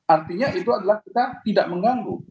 artinya itu adalah kita tidak mengganggu